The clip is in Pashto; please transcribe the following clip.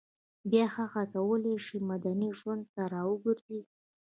بیا هغه کولای شي مدني ژوند ته راوګرځي